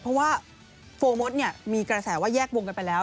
เพราะว่าโฟร์มดเนี่ยมีกระแสว่าแยกวงกันไปแล้ว